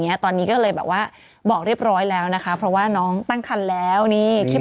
เนี้ยตอนนี้ก็เลยแบบว่าบอกเรียบร้อยแล้วนะคะเพราะว่าน้องตั้งคันแล้วนี่คลิป